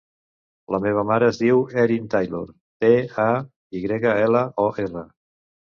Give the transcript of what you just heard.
La meva mare es diu Erin Taylor: te, a, i grega, ela, o, erra.